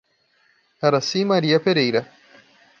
Aracy Maria Pereira